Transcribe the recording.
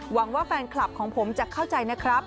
ว่าแฟนคลับของผมจะเข้าใจนะครับ